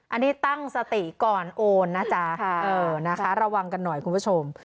อันนี้ตั้งสติก่อนโอนนะจ๊ะนะคะระวังกันหน่อยคุณผู้ชม